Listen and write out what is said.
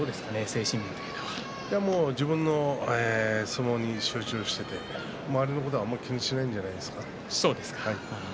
自分の相撲に集中して周りのことはあまり気にしないんじゃないですか。